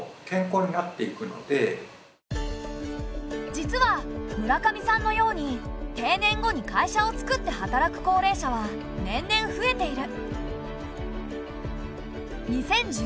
実は村上さんのように定年後に会社をつくって働く高齢者は年々増えている。